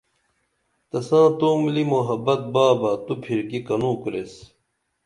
تساں تو ملی محبت با بہ تو پِھرکی کنوکُریس